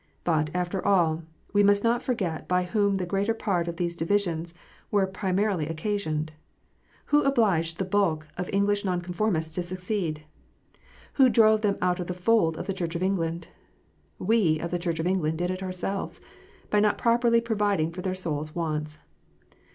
But, after all, we must not forget by whom the greater part of these divisions were primarily occasioned. Who obliged the bulk of English Nonconformists to secede ? Who drove them out of the fold of the Church of England 1 We of the Church of England did it ourselves, by not properly providing for their souls wants.